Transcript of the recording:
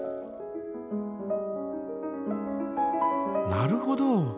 なるほど。